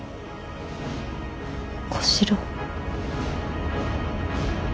小四郎。